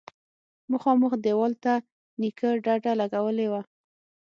مخامخ دېوال ته نيکه ډډه لگولې وه.